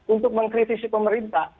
untuk mengkritisi pemerintah